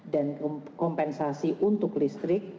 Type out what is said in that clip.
dan kompensasi untuk listrik